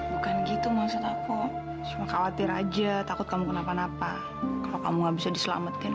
bukan gitu maksud aku khawatir aja takut kamu kenapa napa kamu nggak bisa diselamatkan